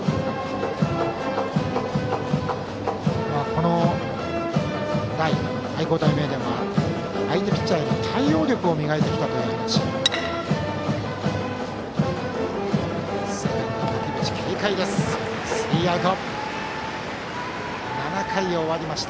この代、愛工大名電は相手ピッチャーへの対応力を磨いてきたといいます。